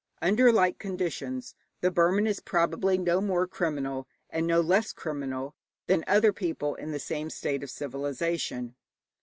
Under like conditions the Burman is probably no more criminal and no less criminal than other people in the same state of civilization.